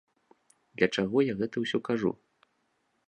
Для чаго я гэта ўсё кажу?